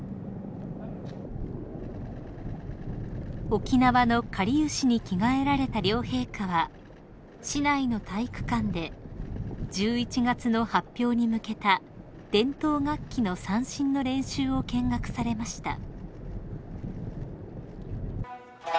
［沖縄のかりゆしに着替えられた両陛下は市内の体育館で１１月の発表に向けた伝統楽器の三線の練習を見学されました］